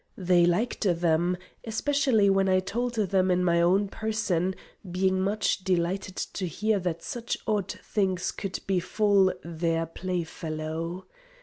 They liked them, especially when I told them in my own person, being much delighted to hear that such odd things could befall their play fellow.